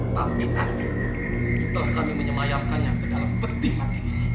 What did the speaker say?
tapi nanti setelah kami menyemayangkannya ke dalam peti mati ini